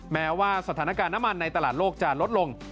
แม้ว่าสถานการณ์น้ำมันในตลาดโลกจะลดลง